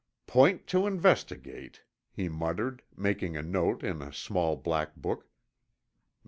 "Point to investigate," he muttered, making a note in a small black book.